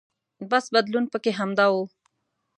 بس بدلون پکې همدا و.